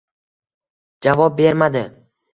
Javob bermadi